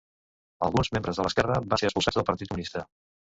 Alguns membres de l'esquerra van ser expulsats del Partit Comunista.